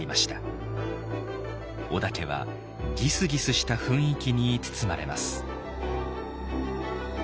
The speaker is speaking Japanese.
織田家はギスギスした雰囲気に包まれます。